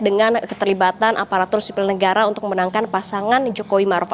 dengan keterlibatan aparatur sipil negara untuk memenangkan pasangan jokowi maruf